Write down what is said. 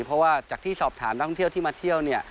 เพราะว่าจากที่สอบถามนักท่องเที่ยวที่มาเที่ยวเนี่ย